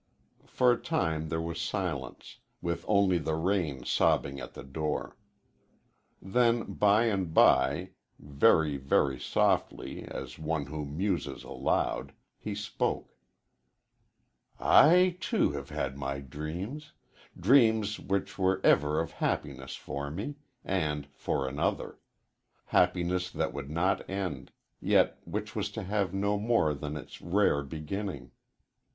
For a time there was silence, with only the rain sobbing at the door. Then by and by very, very softly, as one who muses aloud he spoke: "I, too, have had my dreams dreams which were ever of happiness for me and for another; happiness that would not end, yet which was to have no more than its rare beginning.